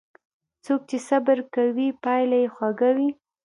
څوک چې صبر کوي، پایله یې خوږه وي.